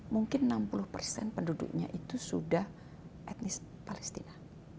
mungkin enam puluh penduduknya itu sudah etnis palestina